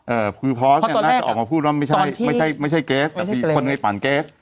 อ่าคือพอสน่าจะออกมาพูดว่าไม่ใช่ไม่ใช่ไม่ใช่เกรสแต่เป็นคนในตอนเกรส